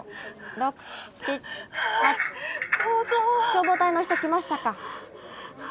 ・☎消防隊の人来ましたか？